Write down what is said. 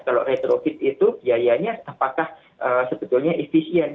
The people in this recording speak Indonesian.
kalau retrofit itu biayanya apakah sebetulnya efisien